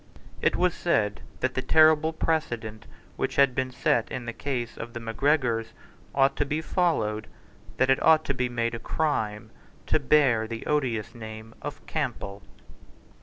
It was said that the terrible precedent which had been set in the case of the Macgregors ought to be followed, and that it ought to be made a crime to bear the odious name of Campbell.